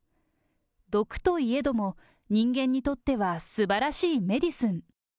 毒といえども、人間にとっては、すばらしいメディスン。